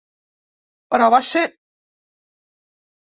Però va ser.